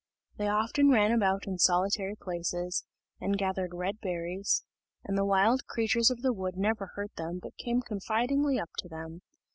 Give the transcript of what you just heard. They often ran about in solitary places, and gathered red berries; and the wild creatures of the wood never hurt them, but came confidingly up to them.